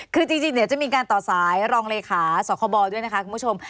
คือจริงจะมีการต่อสายรองเลยค่าสครบด้วยนะคะคุณผู้ชม